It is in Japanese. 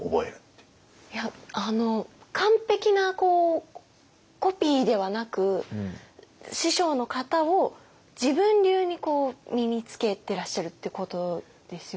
いやっあの完璧なコピーではなく師匠の型を自分流にこう身につけてらっしゃるってことですよね。